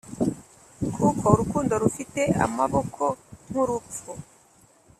kuko urukundo rufite amaboko nk’urupfu;